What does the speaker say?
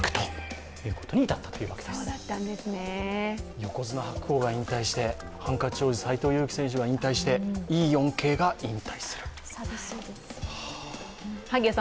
横綱・白鵬が引退して、ハンカチ王子、斎藤佑樹選手が引退してＥ４系が引退する。